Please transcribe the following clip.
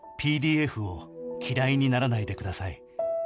「ＰＤＦを嫌いにならないでください」